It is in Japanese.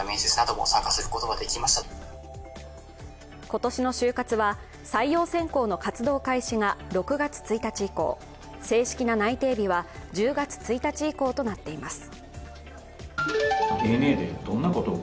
今年の就活は採用選考の活動開始が６月１日以降、正式な内定日は１０月１日以降となっています。